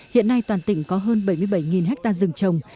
hiện nay toàn tỉnh có hơn bảy mươi bảy ha rừng trồng